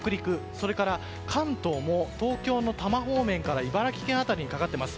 それから関東も東京の多摩方面から茨城県辺りにかかっています。